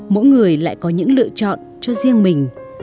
mỗi người lại có những lựa chọn cho riêng mình